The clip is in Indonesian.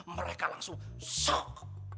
mereka langsung sok